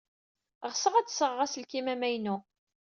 Ɣseɣ ad d-sɣeɣ aselkim amaynu.